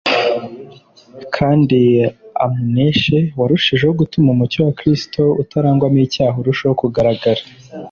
kandi amuneshe warushijeho gutuma umucyo wa Kristo utarangwamo icyaha urushaho kugaragara.